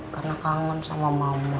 karena kangen sama mama